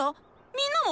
みんなも？